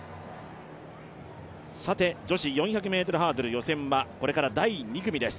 さて、女子４００ｍハードル予選はこれから第２組です。